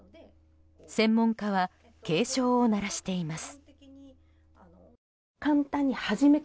専門家は警鐘を鳴らしています。